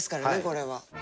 これは。